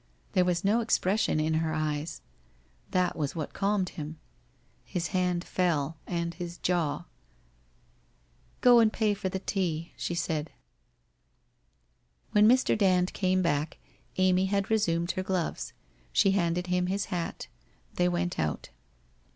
There was no expression in her eyes. That was what calmed him. His hand fell, and his jaw. ...* Go and pay for the tea,' she said. «•••• When Mr. Dand came back Amy had resumed her gloves. She handed him his hat. They went out.